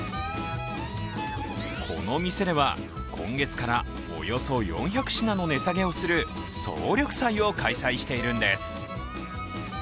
この店では今月からおよそ４００品の値下げをする総力祭を開催しているんです。